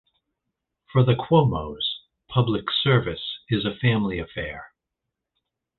For the Cuomos, public service is a family affair.